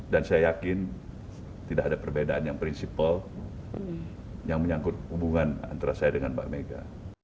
dan saya yakin tidak ada perbedaan yang prinsipal yang menyangkut hubungan antara saya dengan mbak mega